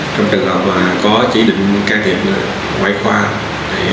trong trường hợp mà có chỉ định can thiệp ngoại khoa